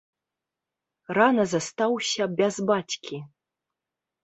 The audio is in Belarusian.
Рана застаўся без бацькі.